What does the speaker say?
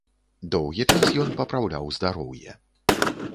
Доўгі час ён папраўляў здароўе.